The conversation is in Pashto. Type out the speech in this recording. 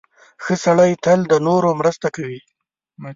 • ښه سړی تل د نورو مرسته کوي.